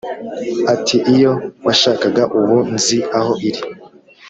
Ati: "Iyo washakaga ubu nzi aho iri,